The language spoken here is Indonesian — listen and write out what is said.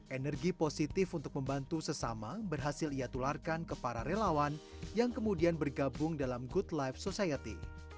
energi positif untuk membantu sesama berhasil ia tularkan ke para relawan yang kemudian bergabung dalam good life society